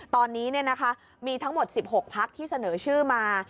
ตอนนี้มีทั้งหมด๑๖พักที่เสนอชื่อมา